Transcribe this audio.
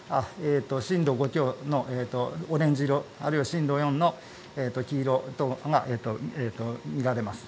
震度５強のオレンジ色あるいは震度４の黄色とかが見られます。